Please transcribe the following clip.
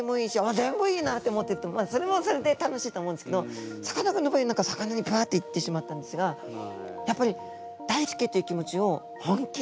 全部いいな！」って思ってるとそれもそれで楽しいと思うんですけどさかなクンの場合何か魚にばっと行ってしまったんですがやっぱり大好きっていう気持ちを本気モードに持ったりとか。